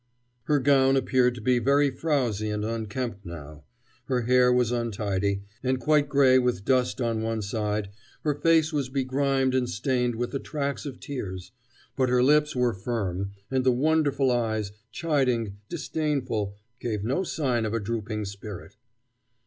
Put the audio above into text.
Her gown appeared to be very frowsy and unkempt now; her hair was untidy, and quite gray with dust on one side, her face was begrimed and stained with the tracks of tears; but her lips were firm, and the wonderful eyes, chiding, disdainful, gave no sign of a drooping spirit.